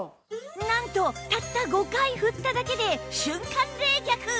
なんとたった５回振っただけで瞬間冷却！